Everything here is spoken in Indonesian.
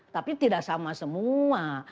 tapi tidak sama semua